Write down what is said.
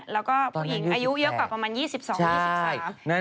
แล้วก็ผู้หญิงอายุเยอะกว่าประมาณ๒๒๒๓